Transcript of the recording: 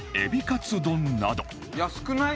安くない？